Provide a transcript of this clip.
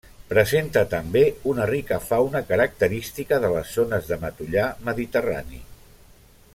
Presenta també una rica fauna característica de les zones de matollar mediterrani.